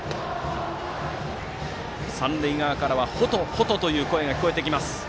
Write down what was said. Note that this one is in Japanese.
三塁側からはほと、ほとと声が聞こえます。